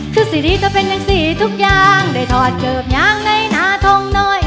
คือสิริเท่าเป็นหนังสีทุกอย่างได้ทอดเกิบอย่างในหน้าทองน้อย